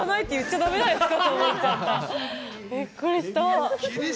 びっくりした。